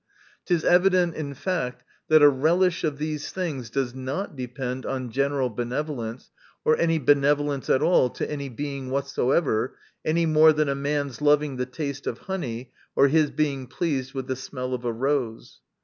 It is evident in fact, that a relish of these things does not depend on general benevolence, or any benevolence at all to any Being whatsoever, any more than a man's loving the taste of honey, or his being pleased with the smell of a rose.